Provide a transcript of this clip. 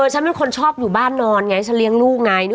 ฉันเป็นคนชอบอยู่บ้านนอนไงฉันเลี้ยงลูกไง